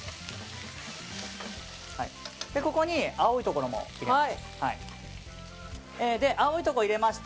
ここに青いところも入れます。